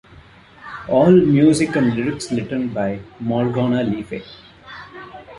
All music and lyrics written by: Morgana Lefay.